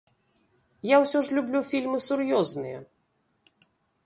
Я ўсё ж люблю фільмы сур'ёзныя.